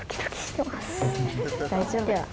大丈夫よ。